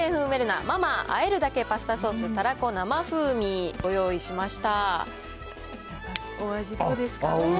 部門１位の日清製粉ウェルナ、マ・マーあえるだけパスタソースたらこ生風味を用意しました。